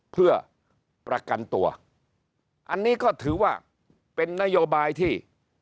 เพื่อประกันตัวอันนี้ก็ถือว่าเป็นนโยบายที่